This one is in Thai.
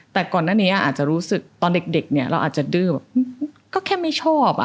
แต่ก่อนหน้านี้อาจจะรู้สึกตอนเด็กเนี่ยเราอาจจะดื้อแบบก็แค่ไม่ชอบ